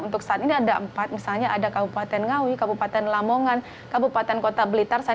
untuk saat ini ada empat misalnya ada kabupaten ngawi kabupaten lamongan kabupaten kota blitar